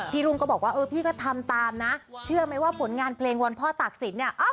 รุ่งก็บอกว่าเออพี่ก็ทำตามนะเชื่อไหมว่าผลงานเพลงวันพ่อตากศิลปเนี่ย